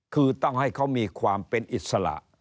คือต้องให้เขามีความเป็นอิสระ